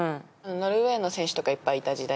ノルウェーの選手とかいっぱいいた時代？